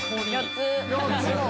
４つ！